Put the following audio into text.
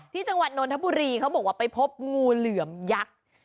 จังหวัดนนทบุรีเขาบอกว่าไปพบงูเหลือมยักษ์